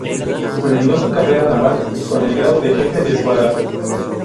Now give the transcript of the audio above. Culminó su carrera naval con el grado de jefe de Escuadra.